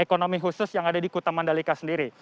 ekonomi khusus yang ada di kuta mandalika sendiri